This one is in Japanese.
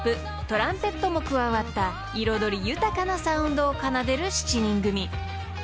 トランペットも加わった彩り豊かなサウンドを奏でる７人組］